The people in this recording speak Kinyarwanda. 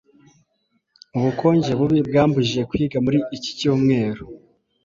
Ubukonje bubi bwambujije kwiga muri iki cyumweru.